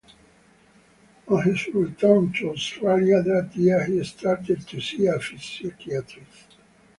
On his return to Australia that year he started to see a psychiatrist.